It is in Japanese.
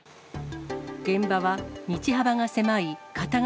現場は道幅が狭い片側